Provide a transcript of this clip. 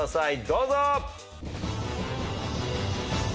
どうぞ。